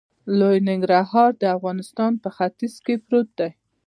لوی ننګرهار د افغانستان په ختیځ کې پروت دی.